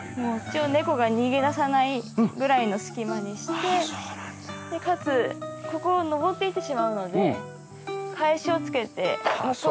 一応猫が逃げ出さないぐらいの隙間にしてかつここを上っていってしまうので返しを付けてもうこの上上れないように。